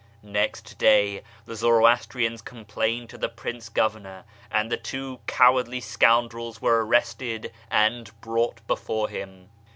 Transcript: Next day the Zoroastrians complained to the Prince Governor, and the two cowardly scoundrels were arrested and brought before him.